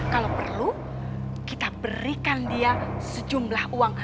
kalau perlu kita berikan dia sejumlah uang